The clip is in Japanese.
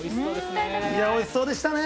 おいしそうでしたね。